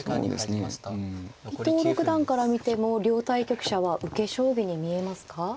伊藤六段から見ても両対局者は受け将棋に見えますか？